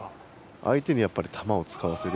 相手に球を使わせる。